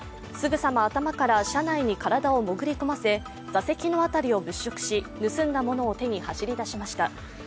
すぐさま頭から車内に体を潜り込ませ座席の辺りを物色し盗んだ物を手に走り出しました。